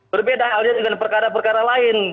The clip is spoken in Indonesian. berbeda halnya dengan perkara perkara lain